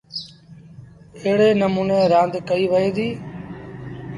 ايڙي نموٚني رآند ڪئيٚ وهي دي۔